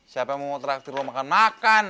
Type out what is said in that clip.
siapa yang mau traktir lo makan makan